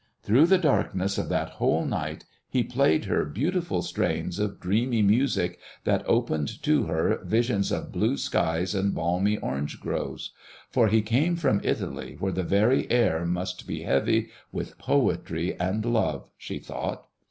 Through the darkness of that whole night he played her beautiful strains of dreamy music that opened to her visions of blue skies and balmy orange groves; for he came from Italy, where the very air must be heavy with poetry and love, she thought.